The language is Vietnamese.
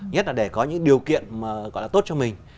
nhất là để có những điều kiện tốt cho mình